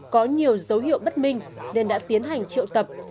có nhiều dấu hiệu bất minh nên đã tiến hành triệu tập